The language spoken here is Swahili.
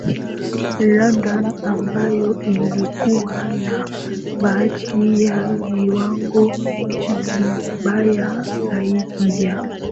London ambayo ilikuwa na baadhi ya viwango vibaya zaidi vya